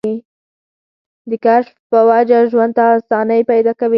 د کشف پۀ وجه ژوند ته اسانۍ پېدا کوي